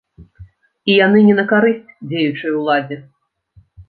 І яны не на карысць дзеючай уладзе.